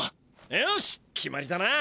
よし決まりだな。